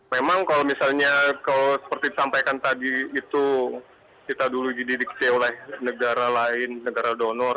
memang kalau misalnya seperti disampaikan tadi itu kita dulu dididiksi oleh negara lain negara donor